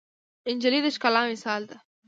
نجلۍ د ښکلا مثال ده.